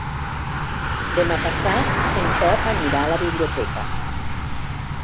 Demà passat en Pep anirà a la biblioteca.